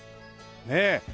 ねえ。